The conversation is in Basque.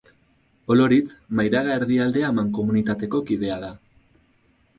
Oloritz, Mairaga-Erdialdea mankomunitateko kidea da.